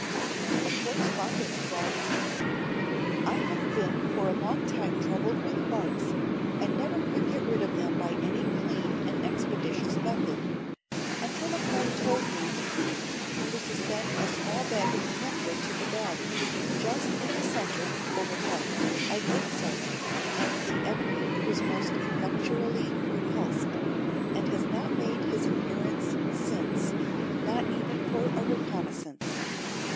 A correspondent says, "I have been for a long time troubled with bugs, and never could get rid of them by any clean and expeditious method, until a friend told me to suspend a small bag of camphor to the bed, just in the centre, overhead. I did so, and the enemy was most effectually repulsed, and has not made his appearance since not even for a reconnaissance!"